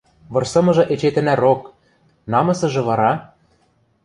Вырсымыжы эче тӹнӓрок, намысыжы вара?